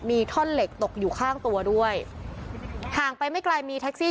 มีท่อนเหล็กตกอยู่ข้างตัวด้วยห่างไปไม่ไกลมีแท็กซี่